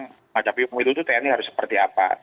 mengacapi umum itu tni harus seperti apa